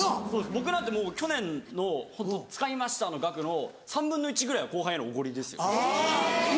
僕なんてもう去年の使いましたの額の３分の１ぐらい後輩へのおごりですよ。